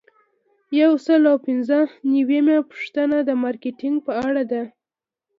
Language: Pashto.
یو سل او پنځه نوي یمه پوښتنه د مارکیټینګ په اړه ده.